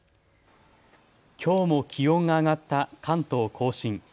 きょうも気温が上がった関東甲信。